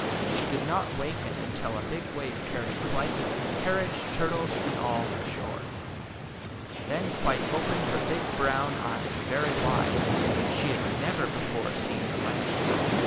She did not waken until a big wave carried Clyte, carriage, turtles, and all ashore. Then Clyte opened her big brown eyes very wide. She had never before seen the land!